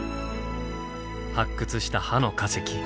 発掘した歯の化石。